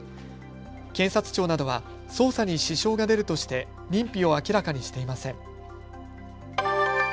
検察庁などは捜査に支障が出るとして認否を明らかにしていません。